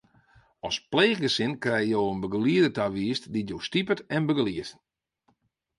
As pleechgesin krije jo in begelieder tawiisd dy't jo stipet en begeliedt.